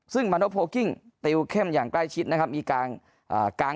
ซึ่งมาโนโพลกิ้งติวเข้มอย่างใกล้ชิดนะครับมีการอ่าง